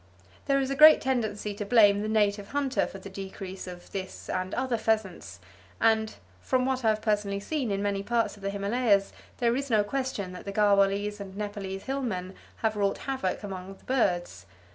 There is a great tendency to blame the native hunter for the decrease of this and other pheasants, and from what I have personally seen in many parts of the Himalayas there is no question [Page 197] that the Garwhalese and Nepalese hill men have wrought havoc among the birds.